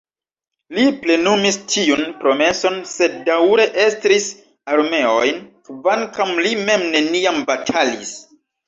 Li plenumis tiun promeson sed daŭre estris armeojn, kvankam li mem neniam batalis.